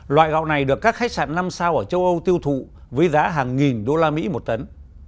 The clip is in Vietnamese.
loại gạo này được các khách sạn năm sao ở châu âu tiêu thụ với giá hàng nghìn usd một tấn